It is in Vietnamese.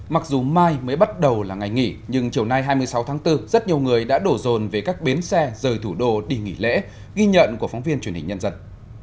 mặc dù mai mới bắt đầu là ngày nghỉ nhưng chiều nay hai mươi sáu tháng bốn rất nhiều người đã đổ rồn về các bến xe rời thủ đô đi nghỉ lễ ghi nhận của phóng viên truyền hình nhân dân